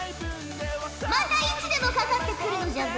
またいつでもかかってくるのじゃぞ。